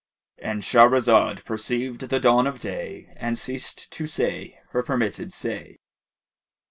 —And Shahrazad perceived the dawn of day and ceased to say her permitted say.